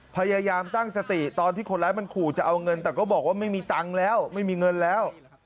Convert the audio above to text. พยายามตั้งสติตอนที่คนร้ายมันขู่จะเอาเงินแต่ก็บอกว่าไม่มีตังค์แล้วไม่มีเงินแล้ว